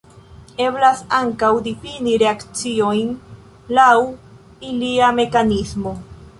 Eblas ankaŭ difini reakciojn laŭ ilia mekanismo.